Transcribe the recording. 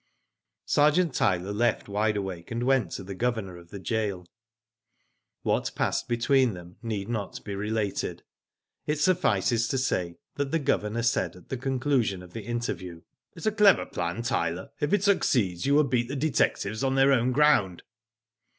Sergeant Tyler left Wide Awake, and went to the Governor of the gaol. What passed between them need not be related. It suffices to say, that the Governor said at the conclusion of the interview : "It is a clever plan, Tyler. If it succeeds, you will beat the detectives on their own ground."